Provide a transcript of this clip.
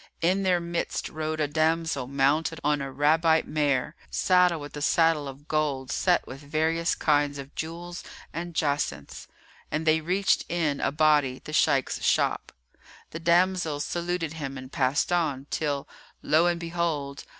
In their midst rode a damsel mounted on a Rabite mare, saddled with a saddle of gold set with various kinds of jewels and jacinths; and they reached in a body the Shaykh's shop. The damsels saluted him and passed on, till, lo and behold!